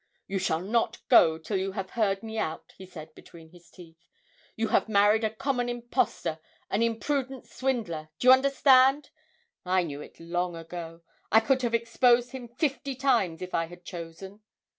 'You shall not go till you have heard me out,' he said between his teeth. 'You have married a common impostor, an impudent swindler do you understand? I knew it long ago ... I could have exposed him fifty times if I had chosen!